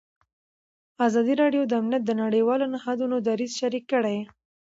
ازادي راډیو د امنیت د نړیوالو نهادونو دریځ شریک کړی.